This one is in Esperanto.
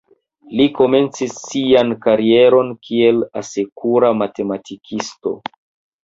Li komencis sian karieron kiel asekura matematikisto.